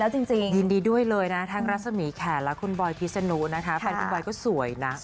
สวยซิกซี่ด้วย